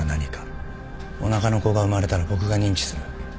おなかの子が生まれたら僕が認知する。